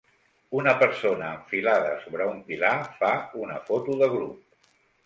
Una persona enfilada sobre un pilar fa una foto de grup.